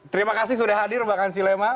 terima kasih sudah hadir mbak ansyi lema